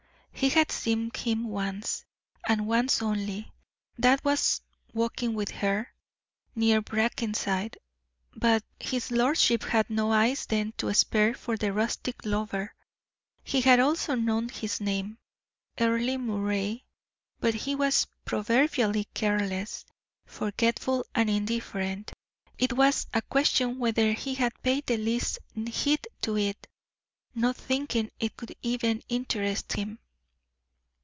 He had seen him once, and once only that was walking with her, near Brackenside. But his lordship had no eyes then to spare for the rustic lover. He had also known his name Earle Moray but he was proverbially careless, forgetful and indifferent. It was a question whether he had paid the least heed to it, not thinking it could even interest him.